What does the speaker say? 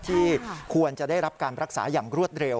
ที่ควรจะได้รับการรักษาอย่างรวดเร็ว